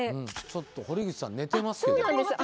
ちょっと堀口さん寝てますよ！